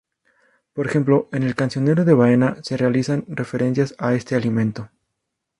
Por ejemplo: en el "Cancionero de Baena" se realizan referencias a este alimento.